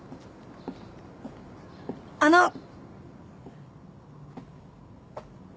あの！